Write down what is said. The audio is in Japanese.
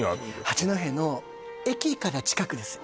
八戸の駅から近くです